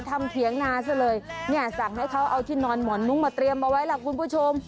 เถียงนาซะเลยเนี่ยสั่งให้เขาเอาที่นอนหมอนมุ้งมาเตรียมเอาไว้ล่ะคุณผู้ชม